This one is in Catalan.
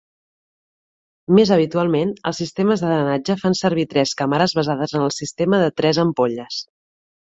Més habitualment, els sistemes de drenatge fan servir tres càmeres basades en el sistema de tres ampolles.